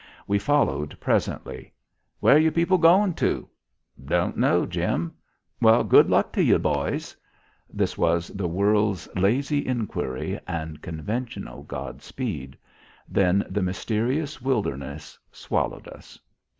We followed presently. "Where you people goin' to?" "Don't know, Jim." "Well, good luck to you, boys." This was the world's lazy inquiry and conventional God speed. Then the mysterious wilderness swallowed us.